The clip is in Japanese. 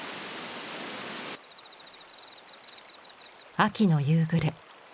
秋の夕暮れ。